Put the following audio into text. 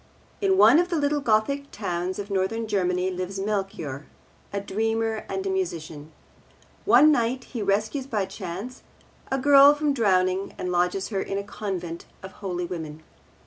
In one of the little Gothic towns of Northern Germany lives Melchior, a dreamer and a musician. One night he rescues by chance a girl from drowning and lodges her in a convent of holy women.